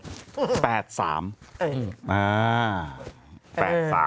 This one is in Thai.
แล้วเออ